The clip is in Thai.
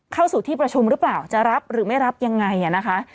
เข้าสู่ที่ประชุมหรือเปล่าจะรับหรือไม่รับยังไงนะคะ